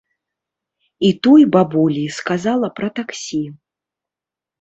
І той бабулі сказала пра таксі.